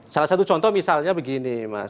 salah satu contoh misalnya begini mas